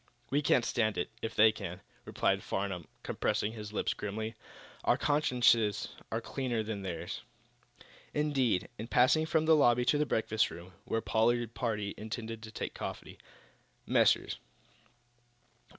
"We can stand it, if they can," replied Farnum, compressing his lips grimly. "Our consciences are cleaner than theirs." Indeed, in passing from the lobby to the breakfast room, where the Pollard party intended to take coffee, Messrs.